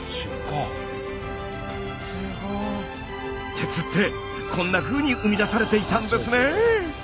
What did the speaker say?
鉄ってこんなふうに生み出されていたんですね！